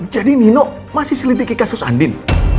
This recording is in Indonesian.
jadi nino masih selidiki kasus andin